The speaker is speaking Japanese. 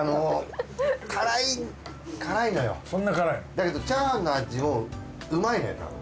だけどチャーハンの味もうまいのよたぶん。